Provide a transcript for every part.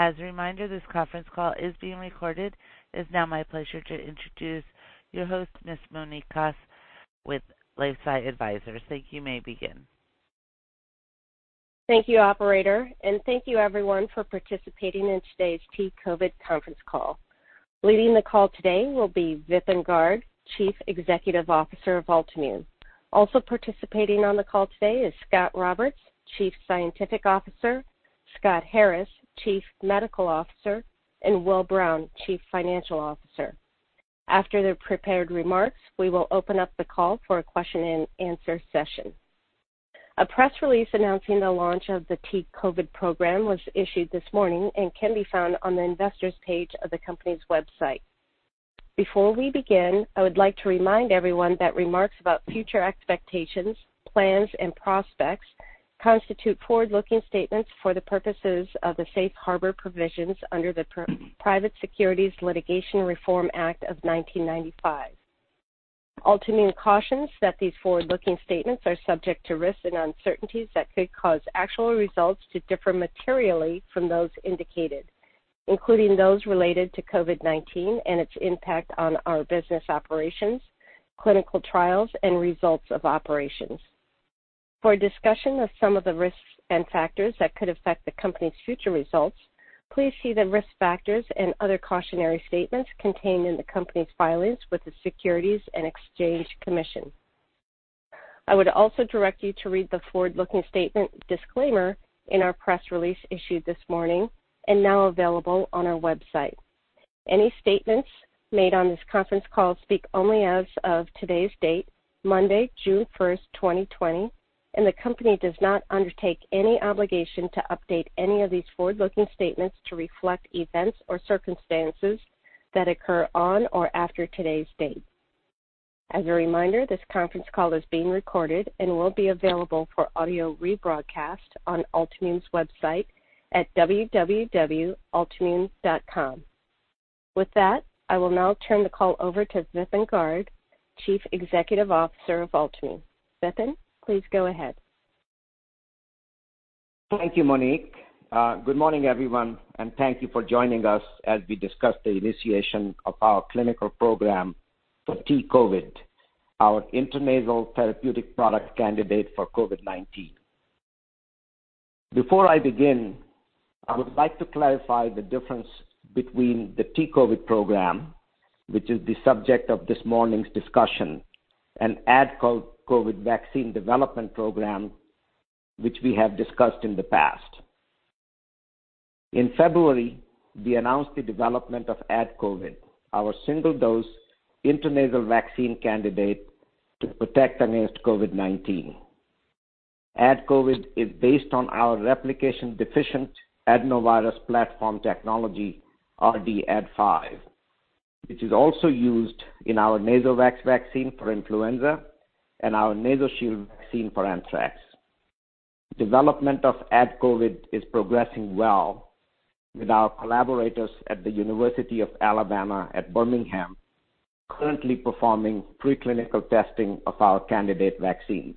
As a reminder, this conference call is being recorded. It is now my pleasure to introduce your host, Ms. Monique Kosse with LifeSci Advisors. Thank you. You may begin. Thank you, operator, and thank you everyone for participating in today's T-COVID conference call. Leading the call today will be Vipin Garg, Chief Executive Officer of Altimmune. Also participating on the call today is Scot Roberts, Chief Scientific Officer, Scott Harris, Chief Medical Officer, and Will Brown, Chief Financial Officer. After their prepared remarks, we will open up the call for a question and answer session. A press release announcing the launch of the T-COVID program was issued this morning and can be found on the investors page of the company's website. Before we begin, I would like to remind everyone that remarks about future expectations, plans, and prospects constitute forward-looking statements for the purposes of the safe harbor provisions under the Private Securities Litigation Reform Act of 1995. Altimmune cautions that these forward-looking statements are subject to risks and uncertainties that could cause actual results to differ materially from those indicated, including those related to COVID-19 and its impact on our business operations, clinical trials, and results of operations. For a discussion of some of the risks and factors that could affect the company's future results, please see the risk factors and other cautionary statements contained in the company's filings with the Securities and Exchange Commission. I would also direct you to read the forward-looking statement disclaimer in our press release issued this morning and now available on our website. Any statements made on this conference call speak only as of today's date, Monday, June 1st, 2020, and the company does not undertake any obligation to update any of these forward-looking statements to reflect events or circumstances that occur on or after today's date. As a reminder, this conference call is being recorded and will be available for audio rebroadcast on Altimmune's website at www.altimmune.com. With that, I will now turn the call over to Vipin Garg, Chief Executive Officer of Altimmune. Vipin, please go ahead. Thank you, Monique. Good morning, everyone, and thank you for joining us as we discuss the initiation of our clinical program for T-COVID, our intranasal therapeutic product candidate for COVID-19. Before I begin, I would like to clarify the difference between the T-COVID program, which is the subject of this morning's discussion, and AdCOVID vaccine development program, which we have discussed in the past. In February, we announced the development of AdCOVID, our single-dose intranasal vaccine candidate to protect against COVID-19. AdCOVID is based on our replication-deficient adenovirus platform technology, rAd5, which is also used in our NasoVAX vaccine for influenza and our NasoShield vaccine for anthrax. Development of AdCOVID is progressing well with our collaborators at the University of Alabama at Birmingham currently performing preclinical testing of our candidate vaccines.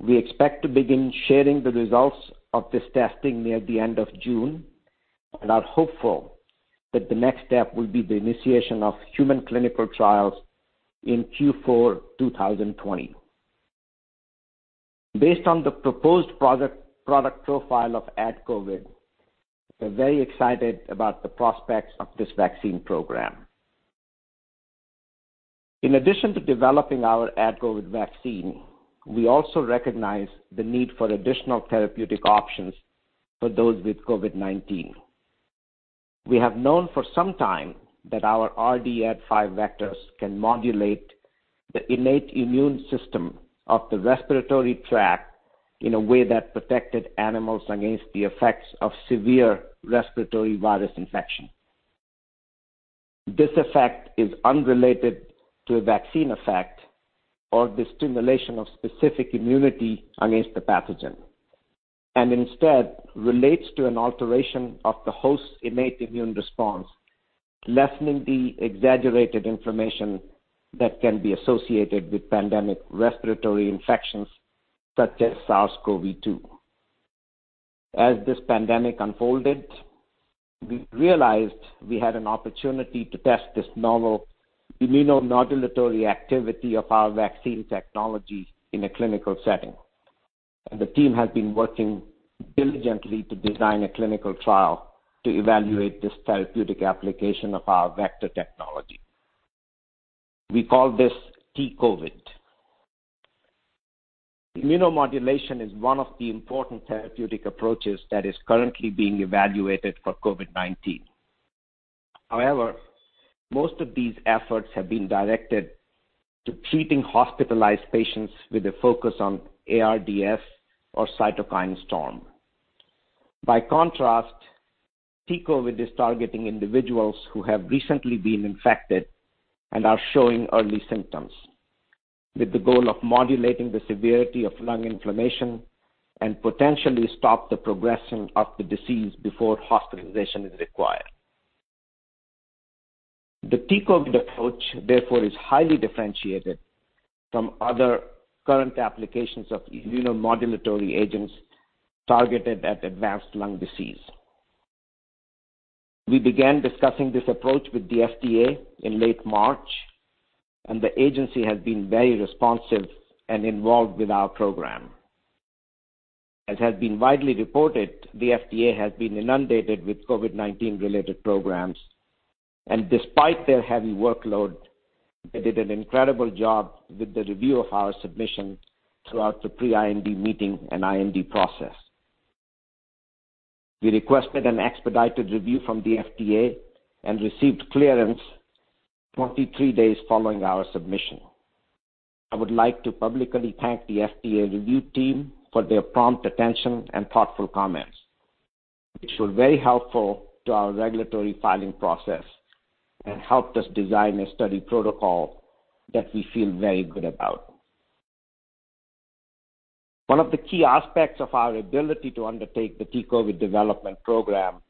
We expect to begin sharing the results of this testing near the end of June and are hopeful that the next step will be the initiation of human clinical trials in Q4 2020. Based on the proposed product profile of AdCOVID, we're very excited about the prospects of this vaccine program. In addition to developing our AdCOVID vaccine, we also recognize the need for additional therapeutic options for those with COVID-19. We have known for some time that our rAd5 vectors can modulate the innate immune system of the respiratory tract in a way that protected animals against the effects of severe respiratory virus infection. This effect is unrelated to a vaccine effect or the stimulation of specific immunity against the pathogen, and instead relates to an alteration of the host's innate immune response, lessening the exaggerated inflammation that can be associated with pandemic respiratory infections such as SARS-CoV-2. As this pandemic unfolded, we realized we had an opportunity to test this novel immunomodulatory activity of our vaccine technology in a clinical setting, and the team has been working diligently to design a clinical trial to evaluate this therapeutic application of our vector technology. We call this T-COVID. Immunomodulation is one of the important therapeutic approaches that is currently being evaluated for COVID-19. However, most of these efforts have been directed to treating hospitalized patients with a focus on ARDS or cytokine storm. By contrast, T-COVID is targeting individuals who have recently been infected and are showing early symptoms with the goal of modulating the severity of lung inflammation and potentially stop the progression of the disease before hospitalization is required. The T-COVID approach, therefore, is highly differentiated from other current applications of immunomodulatory agents targeted at advanced lung disease. We began discussing this approach with the FDA in late March, and the agency has been very responsive and involved with our program. As has been widely reported, the FDA has been inundated with COVID-19 related programs, and despite their heavy workload, they did an incredible job with the review of our submission throughout the pre-IND meeting and IND process. We requested an expedited review from the FDA and received clearance 23 days following our submission. I would like to publicly thank the FDA review team for their prompt attention and thoughtful comments, which were very helpful to our regulatory filing process and helped us design a study protocol that we feel very good about. One of the key aspects of our ability to undertake the T-COVID development program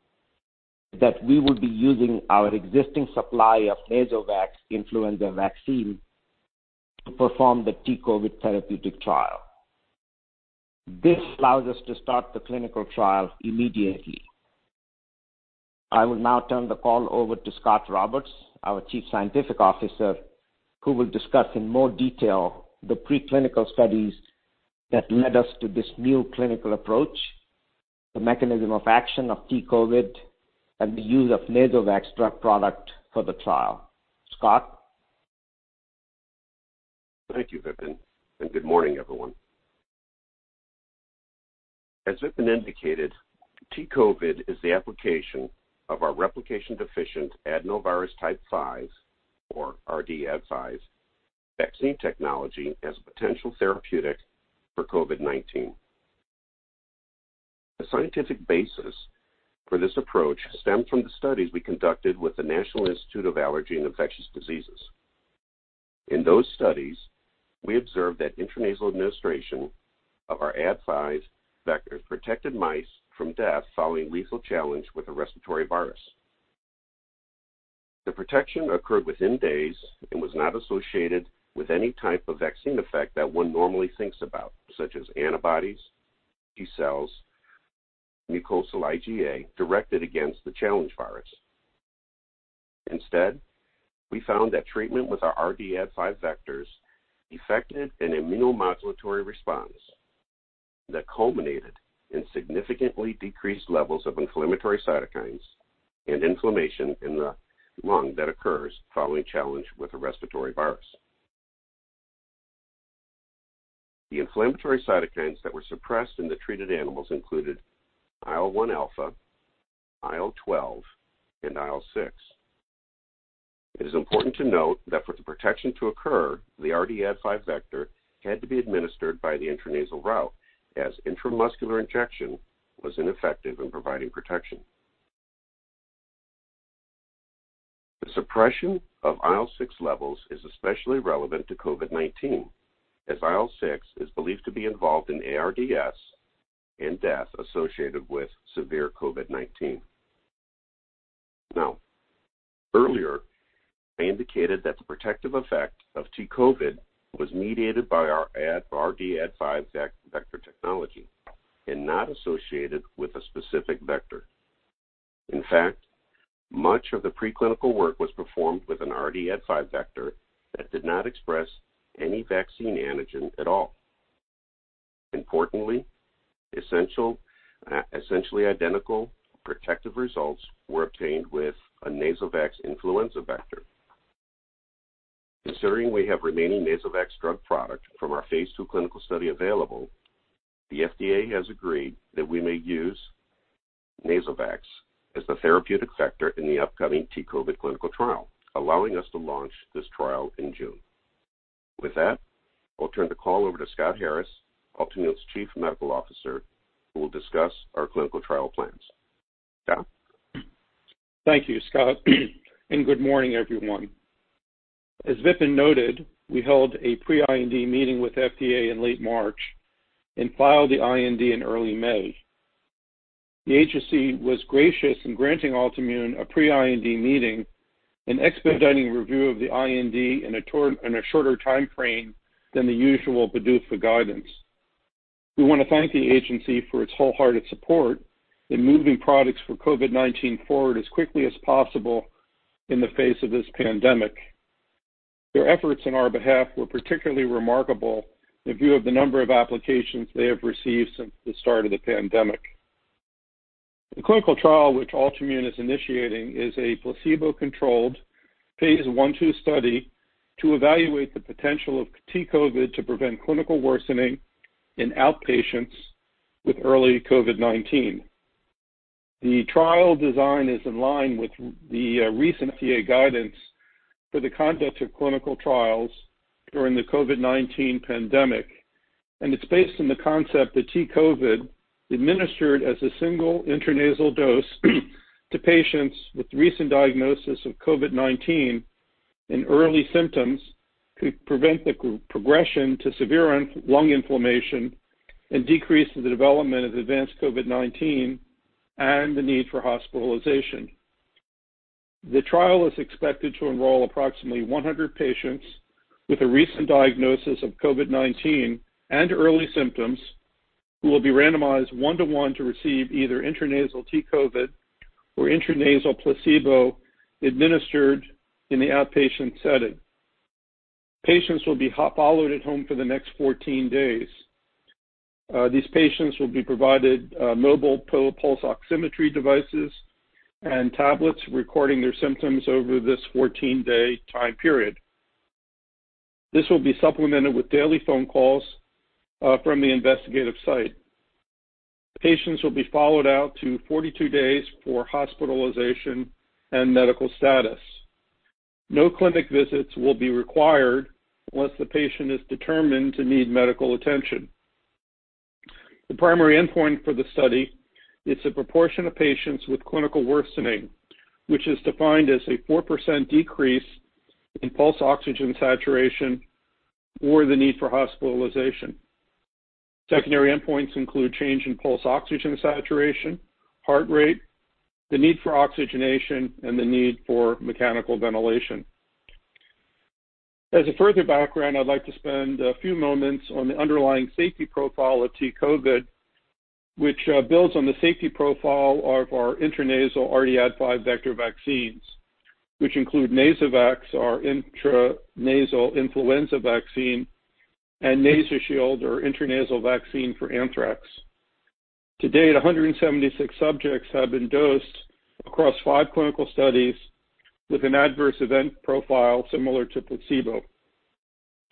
is that we will be using our existing supply of NasoVAX influenza vaccine to perform the T-COVID therapeutic trial. This allows us to start the clinical trial immediately. I will now turn the call over to Scot Roberts, our Chief Scientific Officer, who will discuss in more detail the preclinical studies that led us to this new clinical approach, the mechanism of action of T-COVID, and the use of NasoVAX drug product for the trial. Scot? Thank you, Vipin, and good morning, everyone. As Vipin indicated, T-COVID is the application of our replication-deficient adenovirus type 5, or rAd5, vaccine technology as a potential therapeutic for COVID-19. The scientific basis for this approach stemmed from the studies we conducted with the National Institute of Allergy and Infectious Diseases. In those studies, we observed that intranasal administration of our Ad5 vectors protected mice from death following lethal challenge with a respiratory virus. The protection occurred within days and was not associated with any type of vaccine effect that one normally thinks about, such as antibodies, T-cells, mucosal IgA directed against the challenge virus. Instead, we found that treatment with our rAd5 vectors effected an immunomodulatory response that culminated in significantly decreased levels of inflammatory cytokines and inflammation in the lung that occurs following challenge with a respiratory virus. The inflammatory cytokines that were suppressed in the treated animals included IL-1α, IL-12, and IL-6. It is important to note that for the protection to occur, the rAd5 vector had to be administered by the intranasal route, as intramuscular injection was ineffective in providing protection. The suppression of IL-6 levels is especially relevant to COVID-19, as IL-6 is believed to be involved in ARDS and death associated with severe COVID-19. Earlier, I indicated that the protective effect of T-COVID was mediated by our rAd5 vector technology and not associated with a specific vector. In fact, much of the preclinical work was performed with an rAd5 vector that did not express any vaccine antigen at all. Importantly, essentially identical protective results were obtained with a NasoVAX influenza vector. Considering we have remaining NasoVAX drug product from our phase II clinical study available, the FDA has agreed that we may use NasoVAX as the therapeutic vector in the upcoming T-COVID clinical trial, allowing us to launch this trial in June. With that, I'll turn the call over to Scott Harris, Altimmune's Chief Medical Officer, who will discuss our clinical trial plans. Scott? Thank you, Scot, and good morning, everyone. As Vipin noted, we held a pre-IND meeting with FDA in late March and filed the IND in early May. The agency was gracious in granting Altimmune a pre-IND meeting and expediting review of the IND in a shorter timeframe than the usual PDUFA guidance. We want to thank the agency for its wholehearted support in moving products for COVID-19 forward as quickly as possible in the face of this pandemic. Their efforts on our behalf were particularly remarkable in view of the number of applications they have received since the start of the pandemic. The clinical trial which Altimmune is initiating is a placebo-controlled phase I-II study to evaluate the potential of T-COVID to prevent clinical worsening in outpatients with early COVID-19. The trial design is in line with the recent FDA guidance for the conduct of clinical trials during the COVID-19 pandemic, and it's based on the concept that T-COVID, administered as a single intranasal dose to patients with recent diagnosis of COVID-19. In early symptoms could prevent the progression to severe lung inflammation and decrease the development of advanced COVID-19 and the need for hospitalization. The trial is expected to enroll approximately 100 patients with a recent diagnosis of COVID-19 and early symptoms who will be randomized one-to-one to receive either intranasal T-COVID or intranasal placebo administered in the outpatient setting. Patients will be followed at home for the next 14 days. These patients will be provided mobile pulse oximetry devices and tablets recording their symptoms over this 14-day time period. This will be supplemented with daily phone calls from the investigative site. Patients will be followed out to 42 days for hospitalization and medical status. No clinic visits will be required unless the patient is determined to need medical attention. The primary endpoint for the study is the proportion of patients with clinical worsening, which is defined as a 4% decrease in pulse oxygen saturation or the need for hospitalization. Secondary endpoints include change in pulse oxygen saturation, heart rate, the need for oxygenation, and the need for mechanical ventilation. As a further background, I'd like to spend a few moments on the underlying safety profile of T-COVID, which builds on the safety profile of our intranasal rAd5 vector vaccines, which include NasoVAX, our intranasal influenza vaccine, and NasoShield, our intranasal vaccine for anthrax. To date, 176 subjects have been dosed across five clinical studies with an adverse event profile similar to placebo.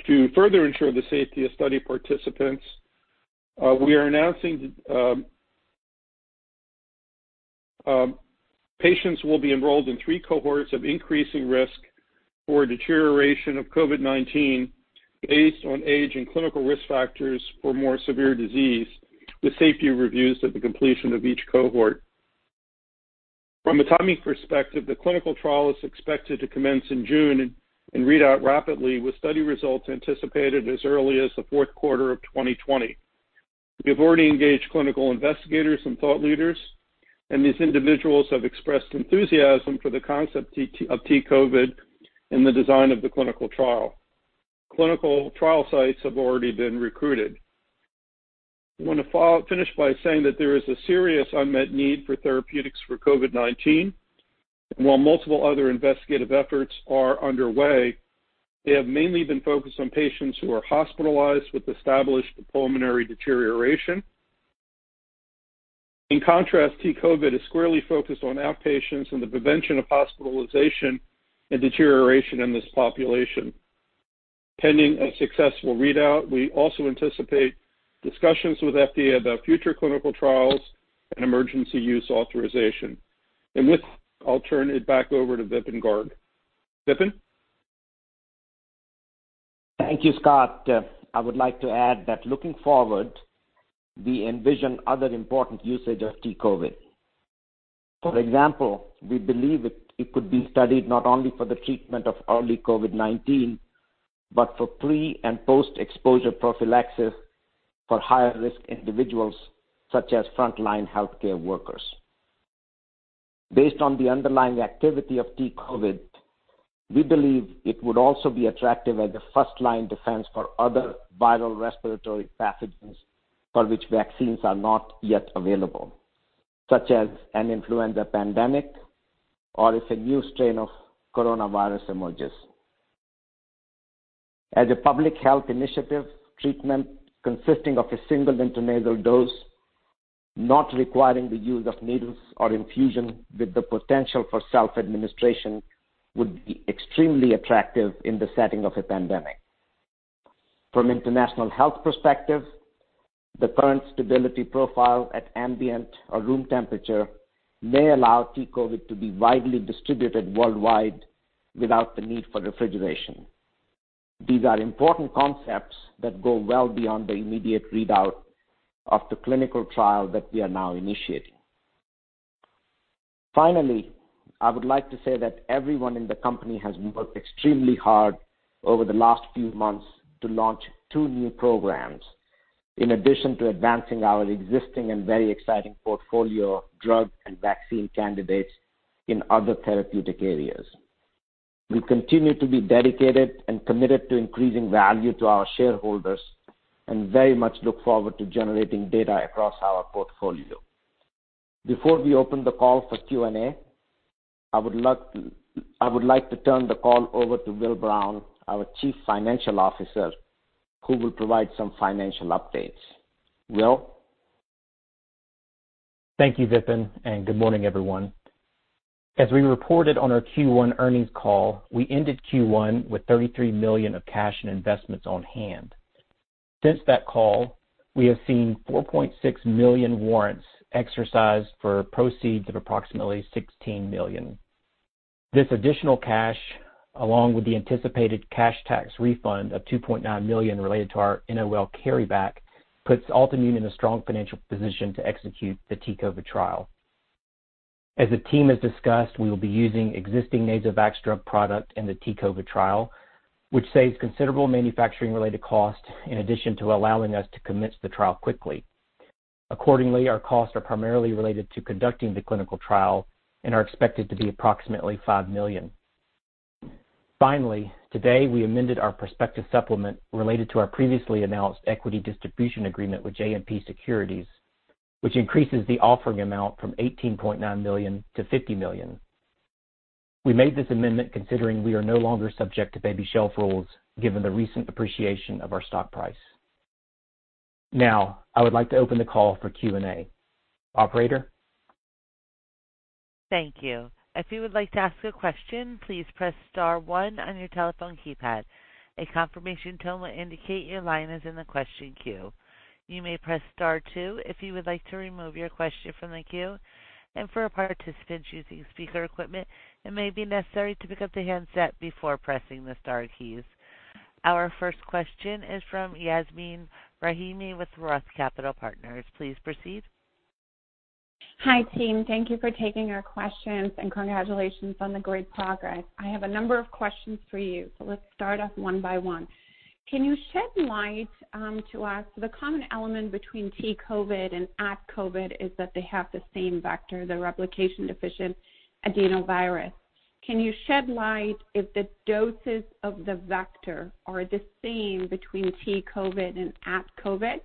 To further ensure the safety of study participants, we are announcing patients will be enrolled in three cohorts of increasing risk for deterioration of COVID-19 based on age and clinical risk factors for more severe disease, with safety reviews at the completion of each cohort. From a timing perspective, the clinical trial is expected to commence in June and read out rapidly, with study results anticipated as early as the fourth quarter of 2020. These individuals have expressed enthusiasm for the concept of T-COVID and the design of the clinical trial. Clinical trial sites have already been recruited. I want to finish by saying that there is a serious unmet need for therapeutics for COVID-19. While multiple other investigative efforts are underway, they have mainly been focused on patients who are hospitalized with established pulmonary deterioration. In contrast, T-COVID is squarely focused on outpatients and the prevention of hospitalization and deterioration in this population. Pending a successful readout, we also anticipate discussions with FDA about future clinical trials and emergency use authorization. With that, I'll turn it back over to Vipin Garg. Vipin? Thank you, Scot. I would like to add that looking forward, we envision other important usage of T-COVID. For example, we believe it could be studied not only for the treatment of early COVID-19, but for pre- and post-exposure prophylaxis for higher-risk individuals, such as frontline healthcare workers. Based on the underlying activity of T-COVID, we believe it would also be attractive as a first-line defense for other viral respiratory pathogens for which vaccines are not yet available, such as an influenza pandemic or if a new strain of coronavirus emerges. As a public health initiative, treatment consisting of a single intranasal dose not requiring the use of needles or infusion with the potential for self-administration would be extremely attractive in the setting of a pandemic. From international health perspective, the current stability profile at ambient or room temperature may allow T-COVID to be widely distributed worldwide without the need for refrigeration. These are important concepts that go well beyond the immediate readout of the clinical trial that we are now initiating. Finally, I would like to say that everyone in the company has worked extremely hard over the last few months to launch two new programs, in addition to advancing our existing and very exciting portfolio of drug and vaccine candidates in other therapeutic areas. We continue to be dedicated and committed to increasing value to our shareholders and very much look forward to generating data across our portfolio. Before we open the call for Q&A, I would like to turn the call over to Will Brown, our Chief Financial Officer, who will provide some financial updates. Will? Thank you, Vipin, and good morning, everyone. As we reported on our Q1 earnings call, we ended Q1 with $33 million of cash and investments on hand. Since that call, we have seen 4.6 million warrants exercised for proceeds of approximately $16 million. This additional cash, along with the anticipated cash tax refund of $2.9 million related to our NOL carryback, puts Altimmune in a strong financial position to execute the T-COVID trial. As the team has discussed, we will be using existing NasoVAX drug product in the T-COVID trial, which saves considerable manufacturing-related cost in addition to allowing us to commence the trial quickly. Accordingly, our costs are primarily related to conducting the clinical trial and are expected to be approximately $5 million. Finally, today, we amended our prospectus supplement related to our previously announced equity distribution agreement with JMP Securities, which increases the offering amount from $18.9 million to $50 million. We made this amendment considering we are no longer subject to baby shelf rules given the recent appreciation of our stock price. Now, I would like to open the call for Q&A. Operator? Thank you. If you would like to ask a question, please press star one on your telephone keypad. A confirmation tone will indicate your line is in the question queue. You may press star two if you would like to remove your question from the queue, and for participants using speaker equipment, it may be necessary to pick up the handset before pressing the star keys. Our first question is from Yasmeen Rahimi with ROTH Capital Partners. Please proceed. Hi, team. Thank you for taking our questions, congratulations on the great progress. I have a number of questions for you. Let's start off one by one. Can you shed light to us, the common element between T-COVID and AdCOVID is that they have the same vector, the replication-deficient adenovirus. Can you shed light if the doses of the vector are the same between T-COVID and AdCOVID?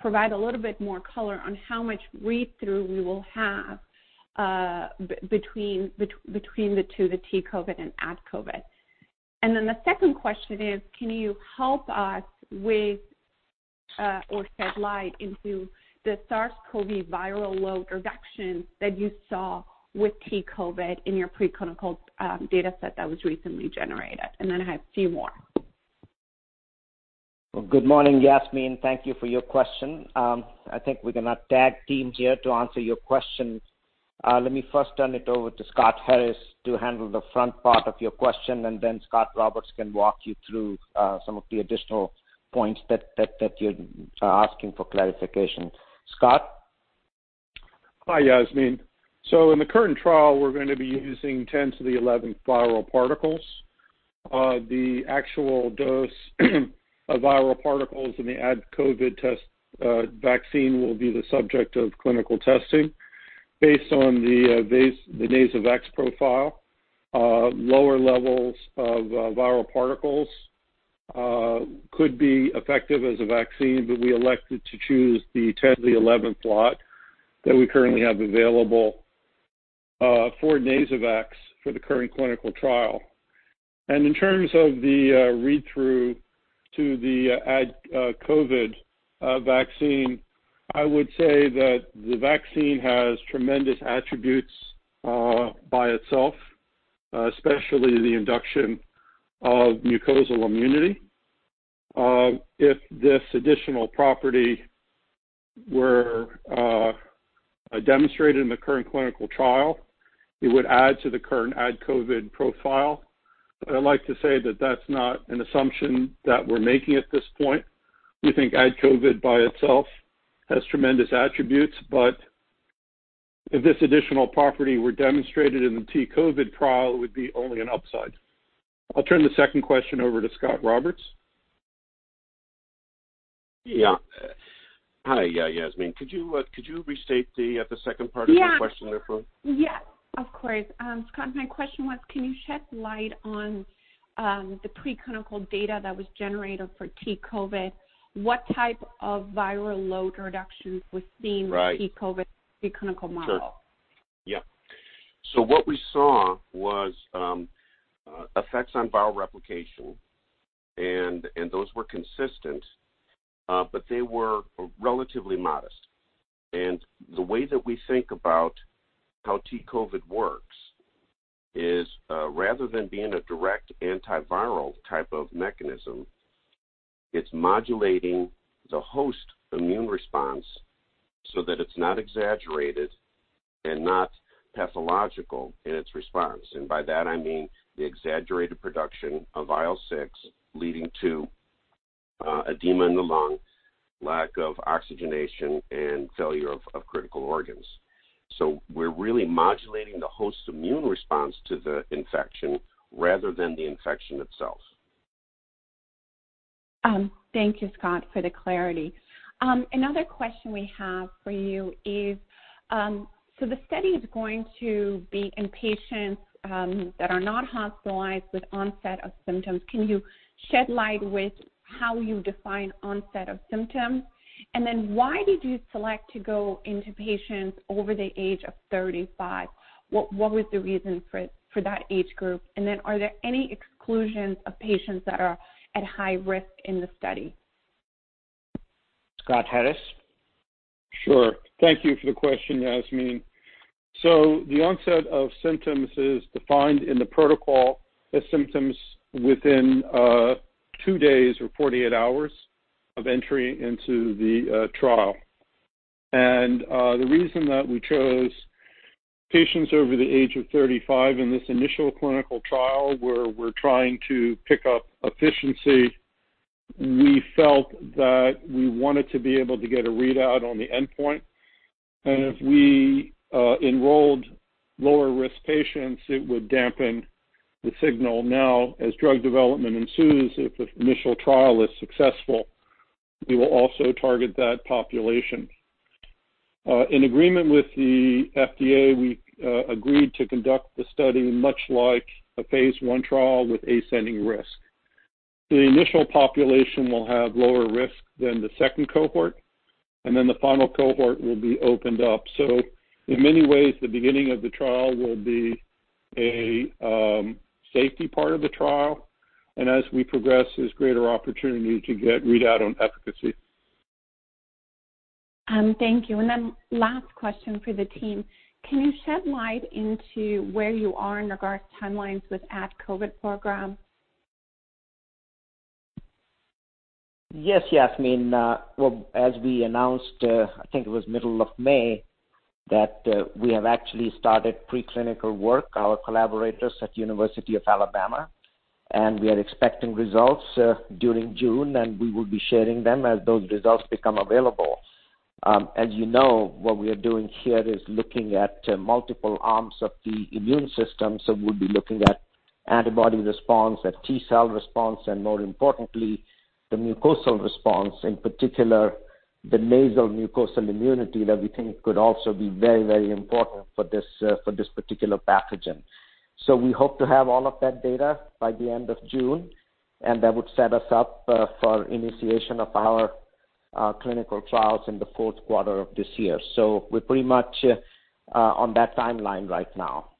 Provide a little bit more color on how much read-through we will have between the two, the T-COVID and AdCOVID. The second question is, can you help us with, or shed light into the SARS-CoV-2 viral load reduction that you saw with T-COVID in your pre-clinical data set that was recently generated? I have a few more. Good morning, Yasmeen. Thank you for your question. I think we're going to tag teams here to answer your questions. Let me first turn it over to Scott Harris to handle the front part of your question, and then Scot Roberts can walk you through some of the additional points that you're asking for clarification. Scott? Hi, Yasmeen. In the current trial, we're going to be using 10¹¹ viral particles. The actual dose of viral particles in the AdCOVID vaccine will be the subject of clinical testing. Based on the NasoVAX profile, lower levels of viral particles could be effective as a vaccine, but we elected to choose the 10¹¹ lot that we currently have available for NasoVAX for the current clinical trial. In terms of the read-through to the AdCOVID vaccine, I would say that the vaccine has tremendous attributes by itself, especially the induction of mucosal immunity. If this additional property were demonstrated in the current clinical trial, it would add to the current AdCOVID profile. I'd like to say that that's not an assumption that we're making at this point. We think AdCOVID by itself has tremendous attributes, but if this additional property were demonstrated in the T-COVID trial, it would be only an upside. I'll turn the second question over to Scot Roberts. Yeah. Hi, Yasmeen. Could you restate the second part of your question there for me? Yeah. Of course. Scot, my question was, can you shed light on the pre-clinical data that was generated for T-COVID? What type of viral load reduction was seen? Right with T-COVID pre-clinical model? Sure. Yeah. What we saw was effects on viral replication, and those were consistent, but they were relatively modest. The way that we think about how T-COVID works is, rather than being a direct antiviral type of mechanism, it's modulating the host immune response so that it's not exaggerated and not pathological in its response. By that, I mean the exaggerated production of IL-6 leading to edema in the lung, lack of oxygenation, and failure of critical organs. We're really modulating the host's immune response to the infection rather than the infection itself. Thank you, Scot, for the clarity. Another question we have for you is, the study is going to be in patients that are not hospitalized with onset of symptoms. Can you shed light with how you define onset of symptoms? Why did you select to go into patients over the age of 35? What was the reason for that age group? Are there any exclusions of patients that are at high risk in the study? Scott Harris? Sure. Thank you for the question, Yasmeen. The onset of symptoms is defined in the protocol as symptoms within two days or 48 hours of entry into the trial. The reason that we chose patients over the age of 35 in this initial clinical trial, where we're trying to pick up efficiency. We felt that we wanted to be able to get a readout on the endpoint, and if we enrolled lower-risk patients, it would dampen the signal. In agreement with the FDA, we agreed to conduct the study much like a phase I trial with ascending risk. The initial population will have lower risk than the second cohort, and then the final cohort will be opened up. In many ways, the beginning of the trial will be a safety part of the trial, and as we progress, there's greater opportunity to get readout on efficacy. Thank you. Last question for the team. Can you shed light into where you are in regards to timelines with AdCOVID program? Yes, Yasmeen. Well, as we announced, I think it was middle of May, that we have actually started preclinical work, our collaborators at University of Alabama at Birmingham. We are expecting results during June. We will be sharing them as those results become available. As you know, what we are doing here is looking at multiple arms of the immune system. We'll be looking at antibody response, at T cell response, and more importantly, the mucosal response, in particular, the nasal mucosal immunity that we think could also be very important for this particular pathogen. We hope to have all of that data by the end of June. That would set us up for initiation of our clinical trials in the fourth quarter of this year. We're pretty much on that timeline right now.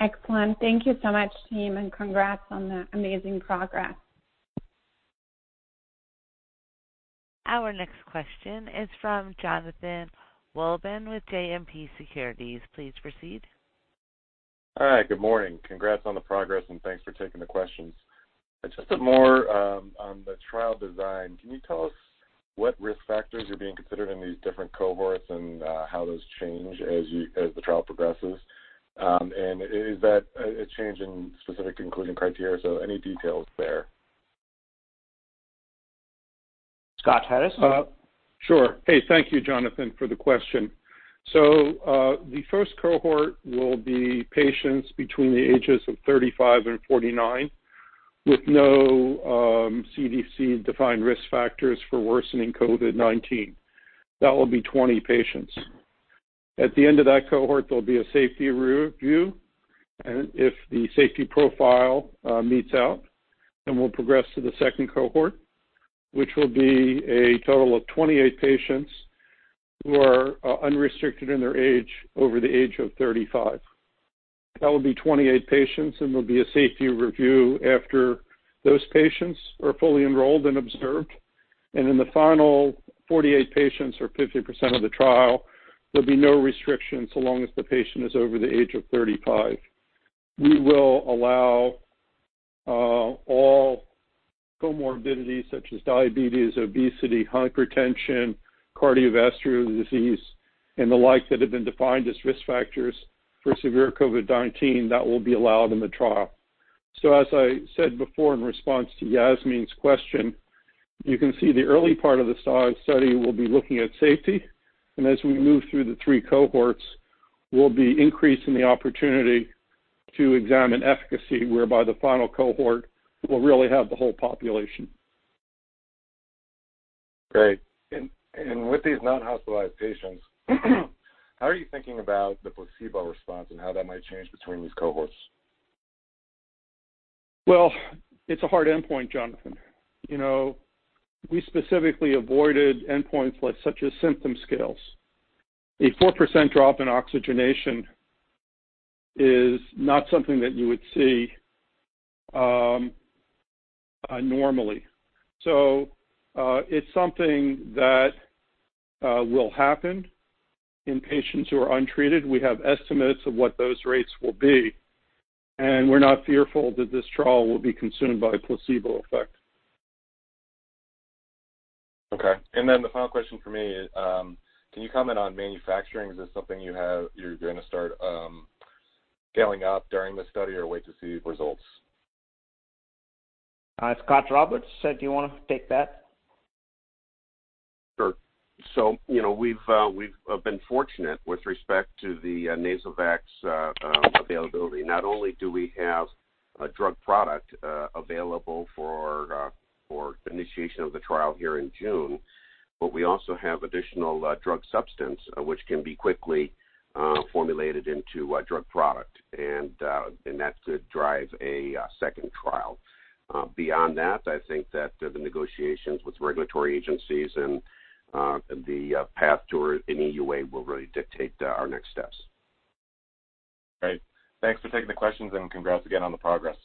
Excellent. Thank you so much, team, and congrats on the amazing progress. Our next question is from Jonathan Wolleben with JMP Securities. Please proceed. All right. Good morning. Congrats on the progress, thanks for taking the questions. Just a more on the trial design, can you tell us what risk factors are being considered in these different cohorts and how those change as the trial progresses? Is that a change in specific inclusion criteria? Any details there. Scott Harris. Sure. Hey, thank you, Jonathan, for the question. The first cohort will be patients between the ages of 35 and 49 with no CDC-defined risk factors for worsening COVID-19. That will be 20 patients. At the end of that cohort, there'll be a safety review, if the safety profile meets out, we'll progress to the second cohort, which will be a total of 28 patients who are unrestricted in their age over the age of 35. That will be 28 patients, there'll be a safety review after those patients are fully enrolled and observed. In the final 48 patients or 50% of the trial, there'll be no restrictions so long as the patient is over the age of 35. We will allow all comorbidities such as diabetes, obesity, hypertension, cardiovascular disease, and the like that have been defined as risk factors for severe COVID-19. That will be allowed in the trial. As I said before in response to Yasmeen's question, you can see the early part of the study will be looking at safety. As we move through the three cohorts, we'll be increasing the opportunity to examine efficacy, whereby the final cohort will really have the whole population. Great. With these non-hospitalized patients, how are you thinking about the placebo response and how that might change between these cohorts? Well, it's a hard endpoint, Jonathan. We specifically avoided endpoints such as symptom scales. A 4% drop in oxygenation is not something that you would see normally. It's something that will happen in patients who are untreated. We have estimates of what those rates will be, and we're not fearful that this trial will be consumed by a placebo effect. Okay. The final question from me is, can you comment on manufacturing? Is this something you're going to start scaling up during the study or wait to see results? Scot Roberts, do you want to take that? Sure. We've been fortunate with respect to the NasoVAX availability. Not only do we have a drug product available for initiation of the trial here in June, but we also have additional drug substance which can be quickly formulated into a drug product, and that could drive a second trial. Beyond that, I think that the negotiations with regulatory agencies and the path to an EUA will really dictate our next steps. Great. Thanks for taking the questions, and congrats again on the progress.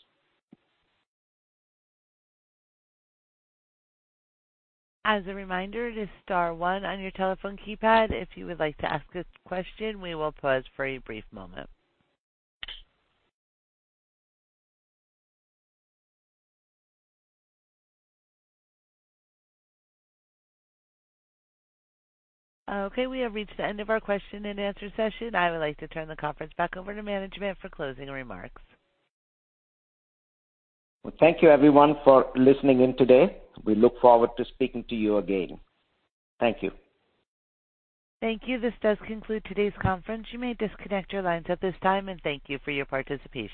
As a reminder, it is star one on your telephone keypad if you would like to ask a question. We will pause for a brief moment. Okay, we have reached the end of our question and answer session. I would like to turn the conference back over to management for closing remarks. Well, thank you everyone for listening in today. We look forward to speaking to you again. Thank you. Thank you. This does conclude today's conference. You may disconnect your lines at this time, and thank you for your participation.